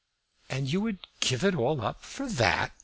"And you would give it all up for that?"